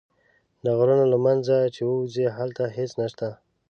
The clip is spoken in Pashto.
د غرونو له منځه چې ووځې هلته هېڅ نه شته.